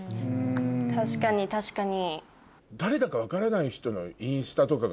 確かに確かに。